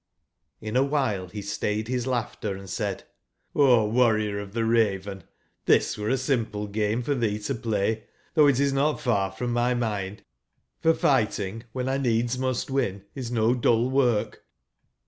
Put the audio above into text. iJV a wbile be stayed bis laugbter and said :'* O Warrior of tbeRaven, tbis were a simple game for tbee to play ; tbougb it is not far from my mind, for figbting wben I needs must win is no dull work.